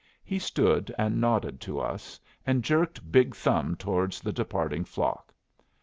He stood and nodded to us, and jerked big thumb towards the departing flock.